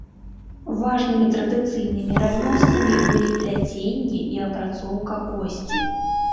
Важнымі традыцыйнымі рамёствамі былі пляценне і апрацоўка косці.